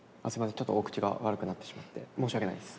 ちょっとお口が悪くなってしまって申し訳ないです。